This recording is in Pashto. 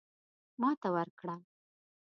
ماته ورکړه.